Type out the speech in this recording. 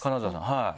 はい。